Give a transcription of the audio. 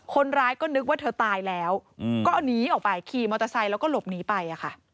คนร้ายก็นึกว่าเธอตายแล้วก็หนีออกไปขี่มอเตอร์ไซค์แล้วก็หลบหนีไป